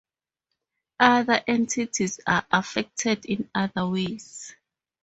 Other entities are affected in other ways.